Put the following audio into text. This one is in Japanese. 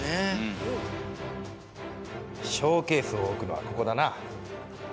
ショーケースを置くのはここだな。